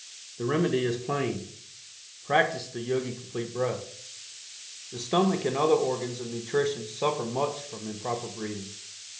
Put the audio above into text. The remedy is plain practice the Yogi Complete Breath. The stomach and other organs of nutrition suffer much from improper breathing.